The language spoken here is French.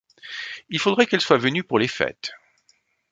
Il faudrait qu’elle soit venue pour les fêtes.